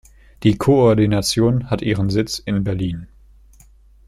Die Koordination hat ihren Sitz in Berlin.